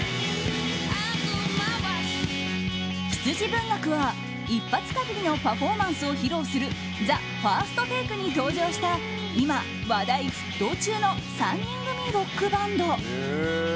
羊文学は一発限りのパフォーマンスを披露する「ＴＨＥＦＩＲＳＴＴＡＫＥ」に登場した今話題沸騰中の３人組ロックバンド。